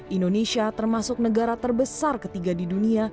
indonesia termasuk negara terbesar ketiga di dunia